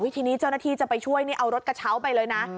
ทีนี้เจ้าหน้าที่จะไปช่วยนี่เอารถกระเช้าไปเลยนะ